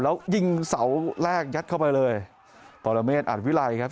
แล้วยิงเสาแรกยัดเข้าไปเลยปรเมฆอัดวิไลครับ